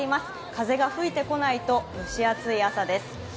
風が吹いてこないと蒸し暑い朝です。